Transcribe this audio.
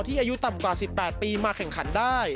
อายุต่ำกว่า๑๘ปีมาแข่งขันได้